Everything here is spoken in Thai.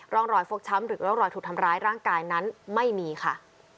ร่องรอยฟกช้ำหรือร่องรอยถูกทำร้ายร่างกายนั้นไม่มีค่ะ